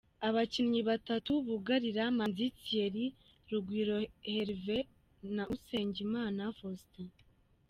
Abakinnyi babatu bugarira: Manzi Thierry, Rugwiro Herve na Usengimana Faustin.